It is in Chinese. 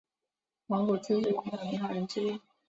蒙古自治运动领导人之一。